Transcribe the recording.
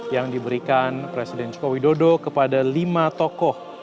yang diberikan presiden jokowi dodo kepada lima tokoh